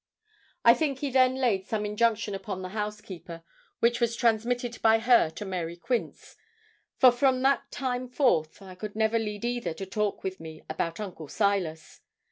I think he then laid some injunction upon the housekeeper, which was transmitted by her to Mary Quince, for from that time forth I could never lead either to talk with me about Uncle Silas.